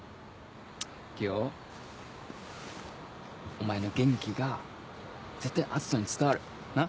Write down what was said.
お前の元気が絶対篤斗に伝わるなっ。